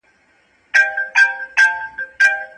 په زړه کې د الله ویره ولرئ.